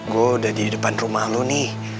gue udah di depan rumah lo nih